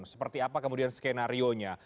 seperti apa kemudian skenario nya